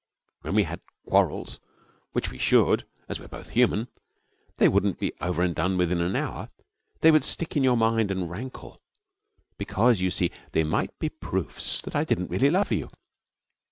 'When we had quarrels which we should, as we are both human they wouldn't be over and done with in an hour. They would stick in your mind and rankle, because, you see, they might be proofs that I didn't really love you.